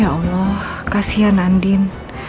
ya allah kasihan andin